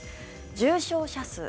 重症者数。